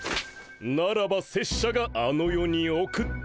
ならば拙者があの世に送って。